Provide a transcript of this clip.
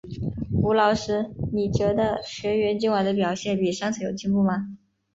吴老师，你觉得学员今晚的表演比上次有进步吗？